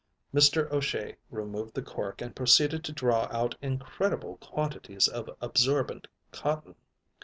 Mr. O'Shea removed the cork and proceeded to draw out incredible quantities of absorbent cotton.